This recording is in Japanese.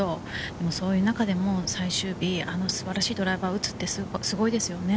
でも、そういう中でも最終日、あの素晴らしいドライバーを打つってすごいですよね。